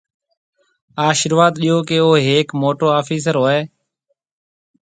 آشرواڌ ڏيو ڪيَ او هيڪ موٽو آفِيسر هوئي آئي۔